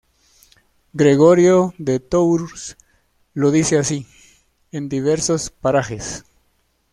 Gregorio de Tours lo dice así en diversos parajes.